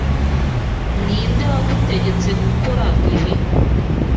Ninde wagutegetse gukora ibi?